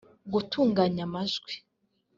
kutunganya amajwi